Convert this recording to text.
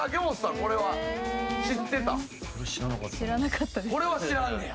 これは知らんねや。